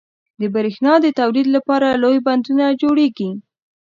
• د برېښنا د تولید لپاره لوی بندونه جوړېږي.